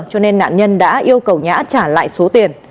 cho nên nạn nhân đã yêu cầu nhã trả lại số tiền